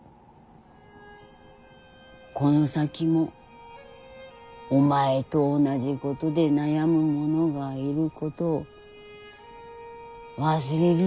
この先もお前と同じことで悩む者がいることを忘れるな。